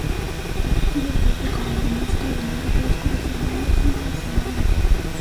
El vestido es verde con mezcla de negro para oscurecer mangas y botonadura.